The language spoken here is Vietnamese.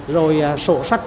rồi sổ sách